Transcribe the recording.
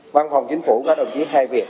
văn phòng chính phủ các đồng chí hai việc